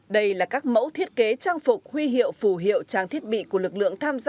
đây là các mẫu thiết kế trang phục huy hiệu phù hiệu trang thiết bị của lực lượng tham gia